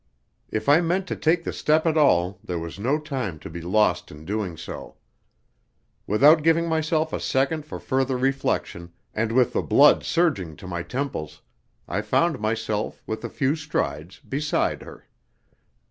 If I meant to take the step at all there was no time to be lost in doing so. Without giving myself a second for further reflection, and with the blood surging to my temples, I found myself, with a few strides, beside her.